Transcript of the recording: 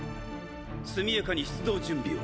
速やかに出動準備を。